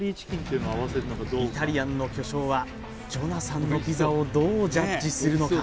イタリアンの巨匠はジョナサンのピザをどうジャッジするのか？